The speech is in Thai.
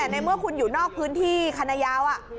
ในเมื่อคุณอยู่นอกพื้นที่คณะยาว